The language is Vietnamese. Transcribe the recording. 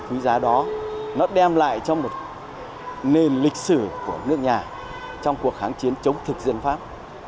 quý giá đó nó đem lại cho một nền lịch sử của nước nhà trong cuộc kháng chiến chống thực dân pháp